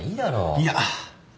いや。